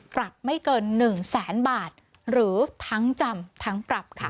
ปรับไม่เกิน๑แสนบาทหรือทั้งจำทั้งปรับค่ะ